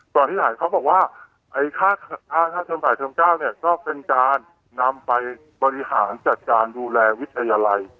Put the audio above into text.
ตอนที่ไหลเค้าบอกว่าไอ้ค่าค่าค่าเทอม๘เทอม๙เนี้ยก็เป็นจานนำไปบริหารจัดการดูแลวิทยาลัย